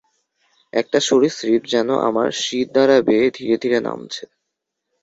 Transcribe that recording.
একটা সরীসৃপ যেন আমার শিরদাঁড়া বেয়ে ধীরেধীরে নামছে